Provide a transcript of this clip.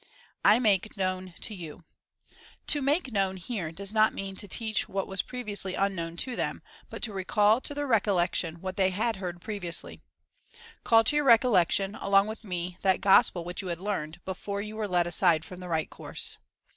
/ make known to you. To make known here does not mean to teach what was previously unknown to them, but to recall to their recollection what they had heard previously. " Call to your recollection, along with me, that gospel which you had learned, before you were led aside from the right course.''